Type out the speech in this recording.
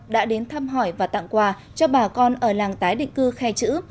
đã đến thăm hỏi và tặng quà cho bà con ở làng tái định cư khe chữ